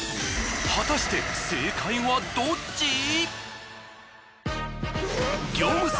果たして正解はどっち！？